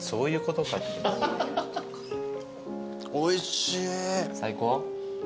おいしい。